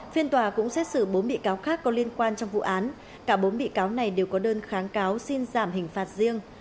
phiên tòa cũng xét xử bốn bị cáo khác có liên quan trong vụ án cả bốn bị cáo này đều có đơn kháng cáo xin giảm hình phạt riêng